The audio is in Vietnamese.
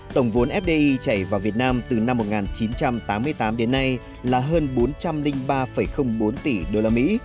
tổng vốn fdi chảy vào việt nam từ năm một nghìn chín trăm tám mươi tám đến nay là hơn bốn trăm linh ba bốn tỷ đô la mỹ